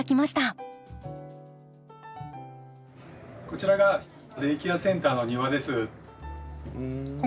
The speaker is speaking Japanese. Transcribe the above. こちらがデイケアセンターの庭です。